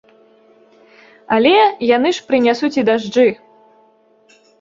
Але яны ж прынясуць і дажджы.